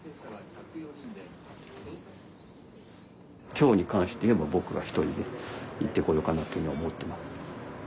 今日に関して言えば僕が一人で行ってこようかなというふうに思ってます。